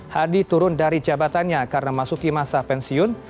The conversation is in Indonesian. hadi turun dari jabatannya karena masuki masa pensiun